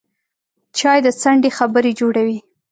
چای د څنډې خبرې جوړوي